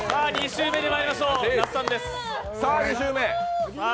２周目にまいりましょう。